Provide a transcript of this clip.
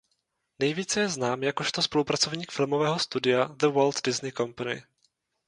Nejvíce je znám jakožto spolupracovník filmového studia The Walt Disney Company.